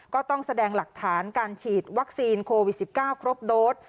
ก็ต้องแสดงหลักฐานการฉีดวัคซีนโควิด๑๙ครบโดส